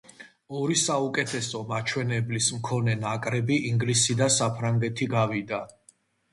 ორი საუკეთესო მაჩვენებლის მქონე ნაკრები, ინგლისი და საფრანგეთი, გავიდა.